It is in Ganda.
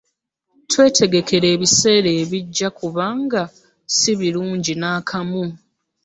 Twetegekere ebiseera ebijja kubanga si birungi n'akamu.